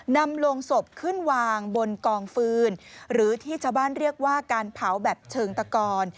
นำลงศพขึ้นวางบนกองฟืนหรือที่ชาวบ้านเรียกว่าการเผาแบบเชิงตะกอน